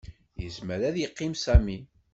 Yezmer ad yeqqim Sami.